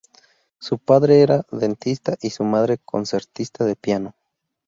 Su padre era dentista y su madre concertista de piano.